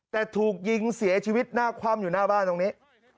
แต่ถูกยิงเสียชีวิตหน้าคว่ำอยู่หน้าบ้านตรงนี้